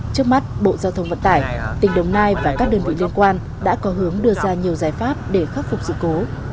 trước mắt bộ giao thông vận tải tỉnh đồng nai và các đơn vị liên quan đã có hướng đưa ra nhiều giải pháp để khắc phục sự cố